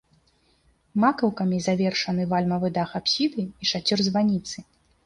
Макаўкамі завершаны вальмавы дах апсіды і шацёр званіцы.